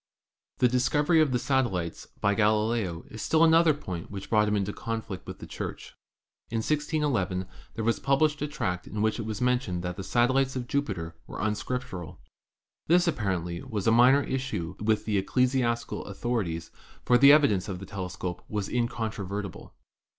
The discovery of the satellites of Jupiter by Galileo was still another point which brought him in conflict with the Church. In 161 1 there was published a tract in which it was mentioned that the satellites of Jupiter were un scriptural. This, apparently, was a minor issue with the ecclesiastical authorities, for the evidence of the telescope was incontrovertible.